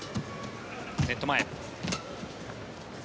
ネット前。